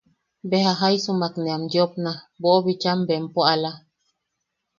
Beja jaisumak ne am yoopna boʼobichan bempo ala.